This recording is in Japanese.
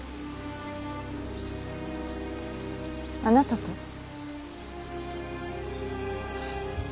あなたと？